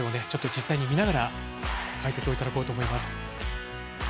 実際に見ながら解説いただこうと思います。